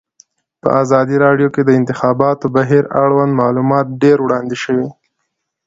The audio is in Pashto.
په ازادي راډیو کې د د انتخاباتو بهیر اړوند معلومات ډېر وړاندې شوي.